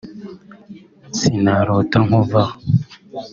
’Sinarota Nkuvako’